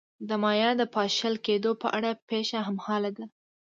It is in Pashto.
د مایا د پاشل کېدو په اړه پېښه هممهاله ده.